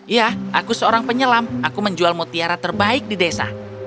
ya aku seorang penyelam aku menjual mutiara terbaik di desa